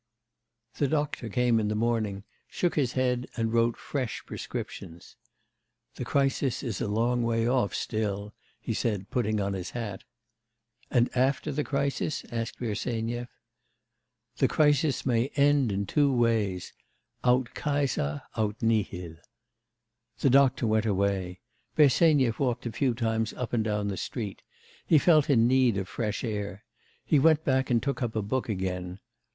The doctor came in the morning, shook his head and wrote fresh prescriptions. 'The crisis is a long way off still,' he said, putting on his hat. 'And after the crisis?' asked Bersenyev. 'The crisis may end in two ways, aut Caesar aut nihil. The doctor went away. Bersenyev walked a few times up and down the street; he felt in need of fresh air. He went back and took up a book again.